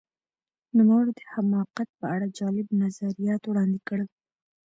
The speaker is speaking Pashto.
نوموړي د حماقت په اړه جالب نظریات وړاندې کړل.